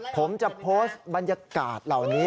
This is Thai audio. ผมจะโพสต์บรรยากาศเหล่านี้